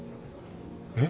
えっ？